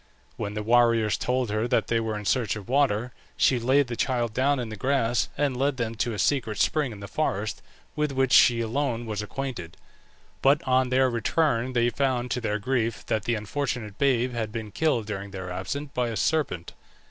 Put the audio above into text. When the warriors told her that they were in search of water, she laid the child down in the grass, and led them to a secret spring in the forest, with which she alone was acquainted. But on their return they found, to their grief, that the unfortunate babe had been killed during their absence, by a serpent.